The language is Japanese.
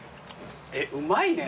えっうまいね。